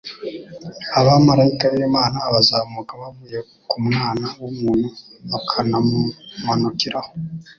abamarayika b'Imana bazamuka bavuye ku Mwana w'umuntu bakanamumanukiraho."